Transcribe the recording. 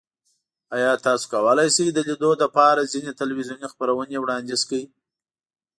ایا تاسو کولی شئ د لیدو لپاره ځینې تلویزیوني خپرونې وړاندیز کړئ؟